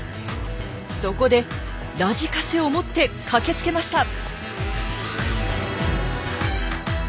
そこでラジカセを持って駆けつけました！